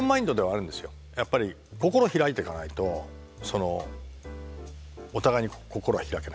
やっぱり心を開いてかないとお互いに心は開けないから。